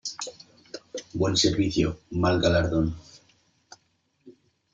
Buen servicio, mal galardón.